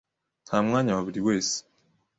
Nta mwanya wa buri wese.